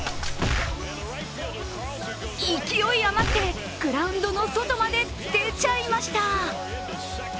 勢い余ってグラウンドの外まで出ちゃいました。